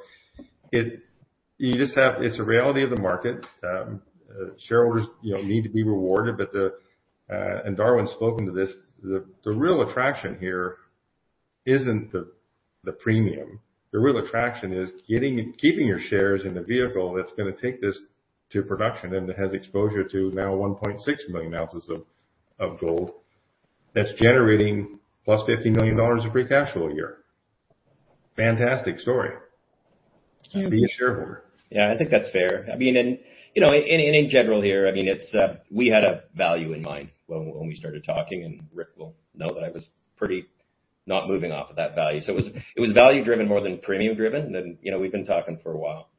it- you just have, it's a reality of the market. Shareholders, you know, need to be rewarded, but the, and Darwin's spoken to this, the real attraction here isn't the premium. The real attraction is getting and keeping your shares in the vehicle that's gonna take this to production, and it has exposure to now 1.6 million ounces of gold that's generating +$50 million of free cash flow a year. Fantastic story to be a shareholder. Yeah, I think that's fair. I mean, you know, in general here, I mean, it's we had a value in mind when we started talking, and Rick will know that I was pretty not moving off of that value. So it was value driven more than premium driven, and, you know, we've been talking for a while.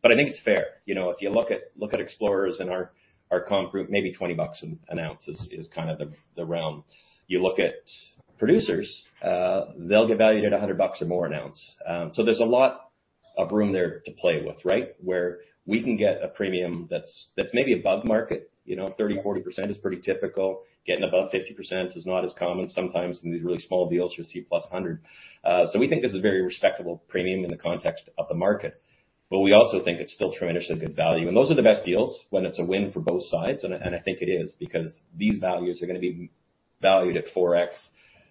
But I think it's fair. You know, if you look at explorers in our comp group, maybe $20 an ounce is kind of the realm. You look at producers, they'll get valued at $100 or more an ounce. So there's a lot of room there to play with, right? Where we can get a premium that's maybe above market, you know, 30%-40% is pretty typical. Getting above 50% is not as common. Sometimes in these really small deals, you'll see +100%. So we think this is a very respectable premium in the context of the market, but we also think it's still tremendously good value. And those are the best deals when it's a win for both sides, and I, and I think it is, because these values are gonna be valued at 4x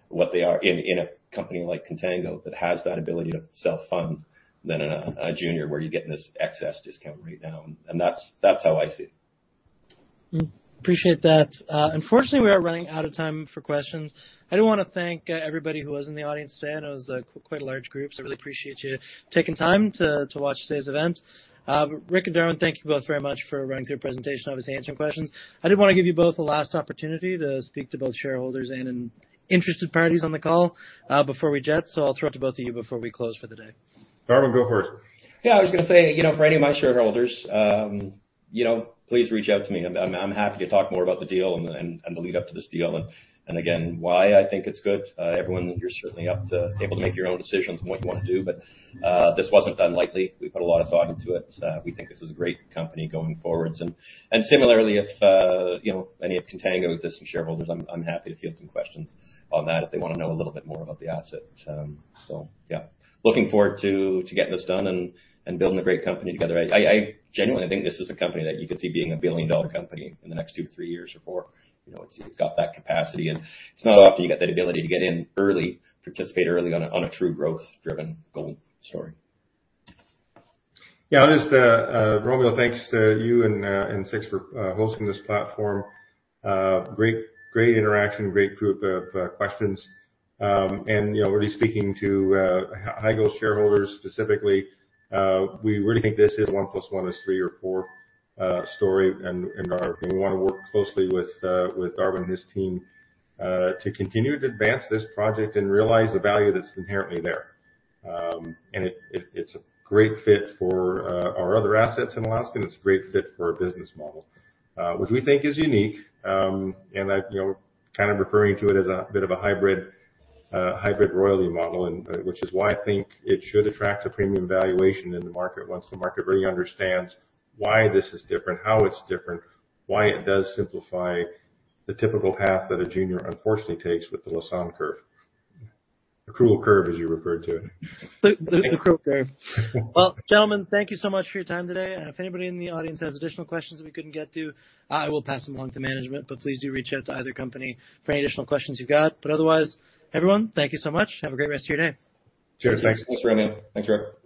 what they are in a company like Contango that has that ability to self-fund, than in a junior where you're getting this excess discount rate down. And that's how I see it. Appreciate that. Unfortunately, we are running out of time for questions. I do want to thank everybody who was in the audience today, and it was quite a large group, so I really appreciate you taking time to watch today's event. Rick and Darwin, thank you both very much for running through your presentation, obviously answering questions. I did want to give you both a last opportunity to speak to both shareholders and interested parties on the call before we jet. So I'll throw it to both of you before we close for the day. Darwin, go for it. Yeah, I was gonna say, you know, for any of my shareholders, please reach out to me. I'm happy to talk more about the deal and the lead up to this deal. And again, why I think it's good. Everyone, you're certainly able to make your own decisions on what you want to do, but this wasn't done lightly. We put a lot of thought into it. We think this is a great company going forward. And similarly, if you know, any of Contango's existing shareholders, I'm happy to field some questions on that if they want to know a little bit more about the asset. So yeah, looking forward to getting this done and building a great company together. I genuinely think this is a company that you could see being a billion-dollar company in the next two, three years or four. You know, it's got that capacity, and it's not often you get that ability to get in early, participate early on a true growth-driven gold story. Yeah, just Romeo, thanks to you and 6ix for hosting this platform. Great, great interaction, great group of questions. And, you know, really speaking to HighGold shareholders specifically, we really think this is 1 plus 1 is 3 or 4 story. And we want to work closely with Darwin and his team to continue to advance this project and realize the value that's inherently there. And it's a great fit for our other assets in Alaska, and it's a great fit for our business model, which we think is unique. and I, you know, kind of referring to it as a bit of a hybrid royalty model, and which is why I think it should attract a premium valuation in the market once the market really understands why this is different, how it's different, why it does simplify the typical path that a junior unfortunately takes with the Lassonde curve. A cruel curve, as you referred to it. The cruel curve. Well, gentlemen, thank you so much for your time today. If anybody in the audience has additional questions that we couldn't get to, I will pass them along to management, but please do reach out to either company for any additional questions you've got. But otherwise, everyone, thank you so much. Have a great rest of your day. Cheers. Thanks. Thanks, Romeo. Thanks, Rick.